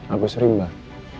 agus rimba pak